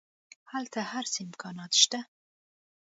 هلته هر څه امکانات شته.